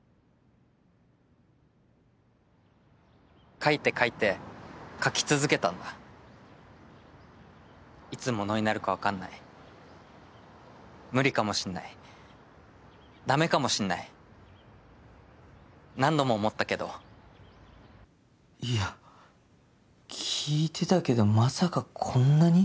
書いて書いて書き続けいつ物になるか分かんない無理かもしんないダメかもしんない何度も思ったけどいや聞いてたけどまさかこんなに？